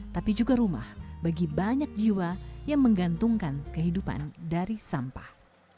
tapi juga rumah bagi banyak jiwa yang menggantungkan kehidupan dari sampah